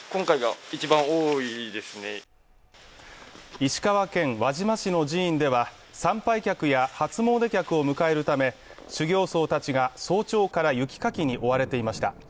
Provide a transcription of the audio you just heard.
石川県輪島市の寺院では、参拝客や初詣客を迎えるため、修行僧たちが早朝から雪かきに追われていました。